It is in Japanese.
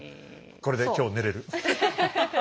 これで今日寝れる。